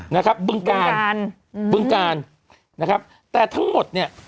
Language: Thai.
นะครับบึงกาลอืมบึงกาลนะครับแต่ทั้งหมดเนี่ย